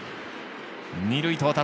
二塁到達。